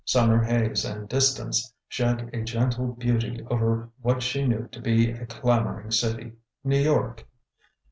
Summer haze and distance shed a gentle beauty over what she knew to be a clamoring city New York.